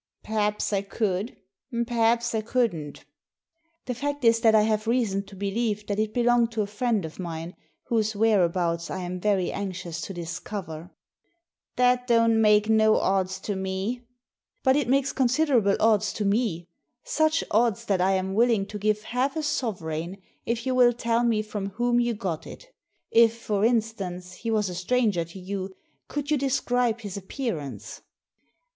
" Perhaps I could, and perhaps I couldn't" " The fact is that I have reason to believe that it belonged to a friend of mine, whose whereabouts I am very anxious to discover." That don't make no odds to me." But it makes considerable odds to me. Such odds that I am willing to give half a sovereign if you will tell me from whom you got it If, for instance, he was a stranger to you, could you de scribe his appearance?"